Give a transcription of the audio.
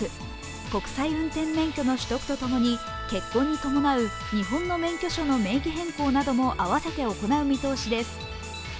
国際運転免許の取得とともに結婚に伴う日本の免許証の名義変更なども併せて行う見通しです。